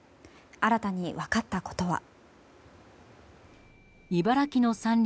新たに分かったことは。